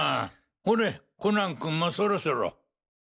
ほれコナン君もそろそろ。